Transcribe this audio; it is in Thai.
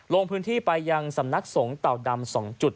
ลงพื้นที่ไปยังสำนักสงฆ์เต่าดำ๒จุด